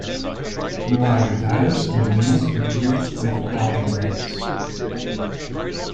New larger tires and wheels equipped with larger brakes.